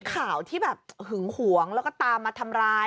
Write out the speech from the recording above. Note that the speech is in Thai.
ข่าวที่แบบหึงหวงแล้วก็ตามมาทำร้าย